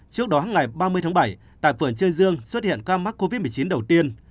trước đó ngày ba mươi tháng bảy tại phường chê dương xuất hiện ca mắc covid một mươi chín đầu tiên